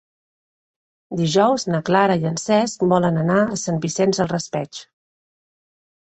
Dijous na Clara i en Cesc volen anar a Sant Vicent del Raspeig.